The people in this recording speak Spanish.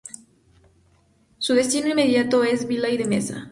Su destino inmediato es Villel de Mesa.